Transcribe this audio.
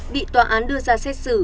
bị tòa án đưa ra xét xử